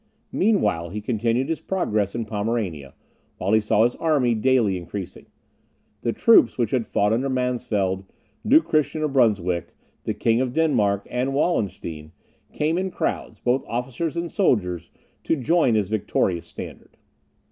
Meanwhile he continued his progress in Pomerania, while he saw his army daily increasing. The troops which had fought under Mansfeld, Duke Christian of Brunswick, the King of Denmark, and Wallenstein, came in crowds, both officers and soldiers, to join his victorious standard.